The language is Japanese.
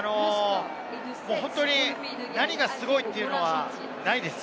本当に何がすごいというのはないです。